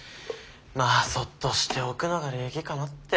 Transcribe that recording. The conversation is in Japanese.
まあそっとしておくのが礼儀かなって。